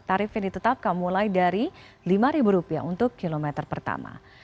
tarif yang ditetapkan mulai dari rp lima untuk kilometer pertama